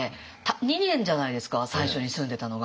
２年じゃないですか最初に住んでたのが。